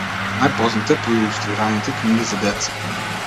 Најпознат е по илустрираните книги за деца.